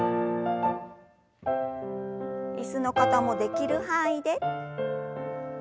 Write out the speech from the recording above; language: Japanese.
椅子の方もできる範囲で。